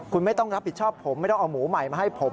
คุณไม่ต้องรับผิดชอบผมไม่ต้องเอาหมูใหม่มาให้ผม